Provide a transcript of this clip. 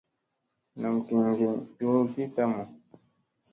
Nam gin gin doo ki tamu.